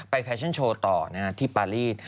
แฟชั่นโชว์ต่อที่ปารีส